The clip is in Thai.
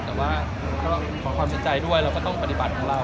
แต่ว่าก็ขอความสนใจด้วยเราก็ต้องปฏิบัติของเรา